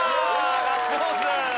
ガッツポーズ！